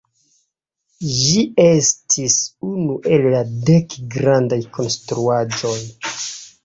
Ĝi estis unu el la "dek grandaj konstruaĵoj".